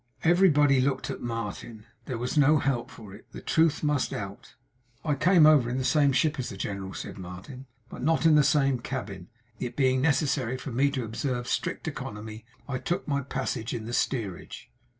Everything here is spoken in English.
Everybody looked at Martin. There was no help for it. The truth must out. 'I came over in the same ship as the general,' said Martin, 'but not in the same cabin. It being necessary for me to observe strict economy, I took my passage in the steerage.